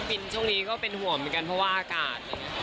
บินช่วงนี้ก็เป็นห่วงเหมือนกันเพราะว่าอากาศ